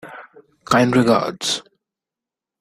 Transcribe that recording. Kind regards.